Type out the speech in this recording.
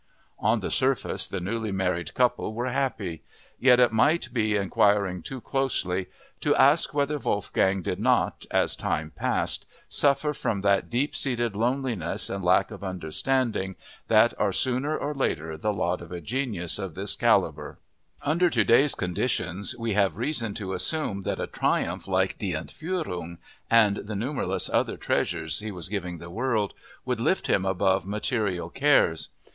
On the surface the newly married couple were happy. Yet it might be inquiring too closely to ask whether Wolfgang did not, as time passed, suffer from that deep seated loneliness and lack of understanding that are sooner or later the lot of a genius of this caliber. Under today's conditions we have reason to assume that a triumph like Die Entführung, and the numberless other treasures he was giving the world, would lift him above material cares.